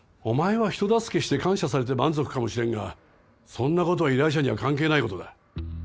お前は人助けして感謝されて満足かもしれんがそんなこと依頼者には関係ないことだ。